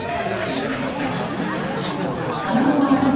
なんでコマサなんだろう？